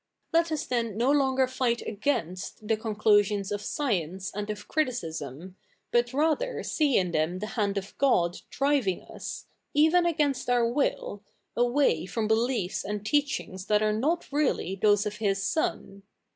'■Let us then ?io lo7iger fight against the conclusions of science a fid of criticism, but rather see in them the ha fid of God drivifig us, evefi against our ivill, away from beliefs and teachifigs that are not really those of His son.